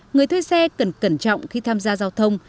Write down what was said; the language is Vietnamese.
nên cần cẩn trọng khi tham gia giao thông